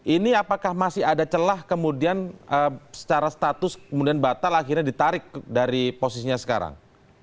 ini apakah masih ada celah kemudian secara status kemudian batal akhirnya ditarik dari posisinya sekarang